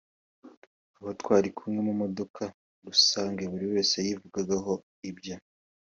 Abo twari kumwe mu modoka rusange buri wese yayivugagaho ibye